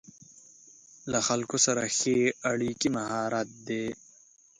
له خلکو سره ښه اړیکې مهارت دی.